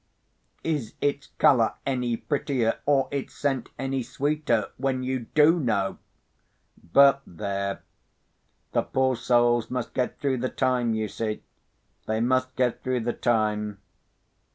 Is its colour any prettier, or its scent any sweeter, when you do know? But there! the poor souls must get through the time, you see—they must get through the time.